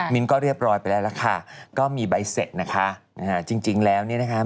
ก็เรียบร้อยไปแล้วล่ะค่ะก็มีใบเสร็จนะคะจริงแล้วเนี่ยนะคะ